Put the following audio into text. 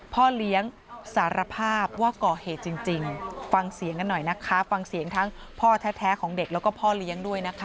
พ่อเลี้ยงสารภาพว่าก่อเหตุจริงฟังเสียงกันหน่อยนะคะฟังเสียงทั้งพ่อแท้ของเด็กแล้วก็พ่อเลี้ยงด้วยนะคะ